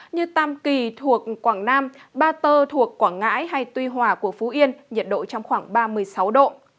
như tam kỳ thuộc quảng nam ba tơ thuộc quảng ngãi hay tuy hòa của phú yên nhiệt độ trong khoảng ba mươi sáu độ